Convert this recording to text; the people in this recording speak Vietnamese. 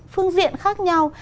phương diện khác nhau